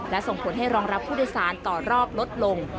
และส่งผลให้รองรับผู้โดยสารต่อรอบลดลง